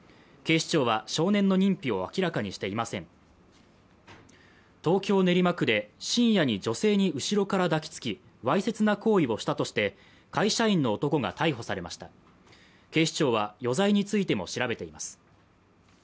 警視庁は少年の認否を明らかにしていません東京・練馬区で深夜に女性に後ろから抱きつきわいせつな行為をしたとして会社員の男が逮捕されました警視庁は余罪についても調べています